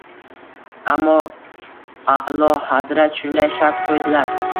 Ammo, a`lohazrat shunday shart qo`ydilar